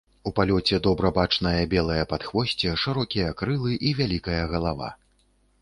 У палёце добра бачнае белае падхвосце, шырокія крылы і вялікая галава.